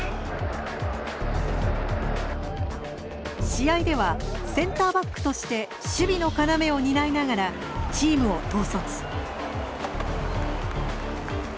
試合ではセンターバックとして守備の要を担いながらチームを統率。